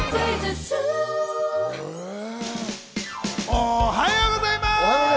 おはようございます！